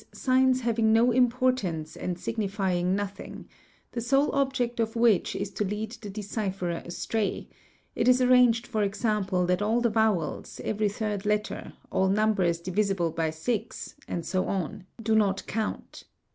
signs having no importance and signifying nothing, the sole object of which is to lead the decipherer astray; it is ~ arranged for example that all the vowels, every third letter, all numbers divisible by six, and so on, do not count.